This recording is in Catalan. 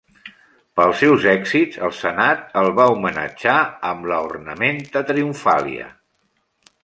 Pels seus èxits, el senat el va homenatjar amb la "ornamenta triumphalia".